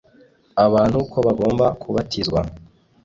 abantu ko bagomba kubatizwa